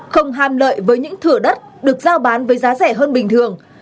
không ham lợi với những thửa đất được giao bán với giá rẻ hơn bình thường